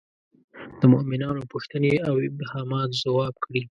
د مومنانو پوښتنې او ابهامات ځواب کړي.